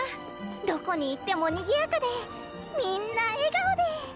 どこに行ってもにぎやかでみんな笑顔で。